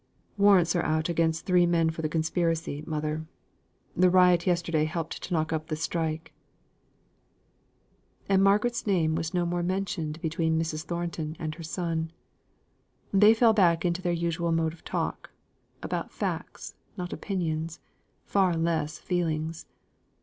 "Warrants are out against three men for conspiracy, mother. The riot yesterday helped to knock up the strike." And Margaret's name was no more mentioned between Mrs. Thornton and her son. They fell back into their usual mode of talk, about facts, not opinions, far less feelings.